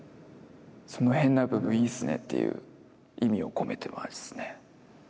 その変な部分いいっすねっていう意味を込めてますね。